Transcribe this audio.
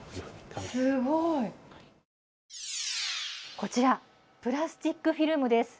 こちらプラスチックフィルムです。